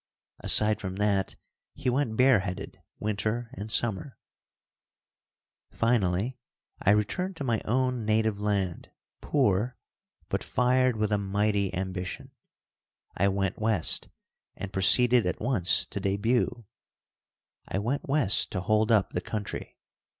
Aside from that he went bareheaded winter and summer. [Illustration: MAKING HIS DEBUT.] Finally I returned to my own native land, poor, but fired with a mighty ambition. I went west and proceeded at once to debut. I went west to hold up the country.